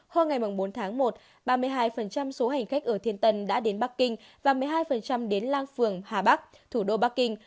hôm ngày bốn tháng một ba mươi hai số hành khách ở thiên tân đã đến bắc kinh và một mươi hai đến lang phường hà bắc thủ đô bắc kinh